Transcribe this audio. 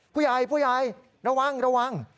ผู้ใหญ่ระวัง